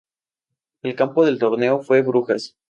El campeón del torneo fue Brujas.